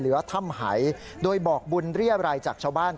ถ้ำหายโดยบอกบุญเรียบรายจากชาวบ้าน